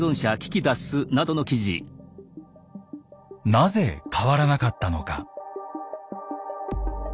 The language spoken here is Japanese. なぜ変わらなかったのか。